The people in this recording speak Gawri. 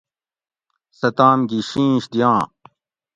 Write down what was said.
سہ تام گی شِیش دیاں